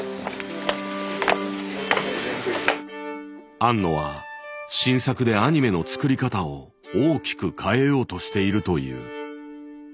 庵野は新作でアニメの作り方を大きく変えようとしているという。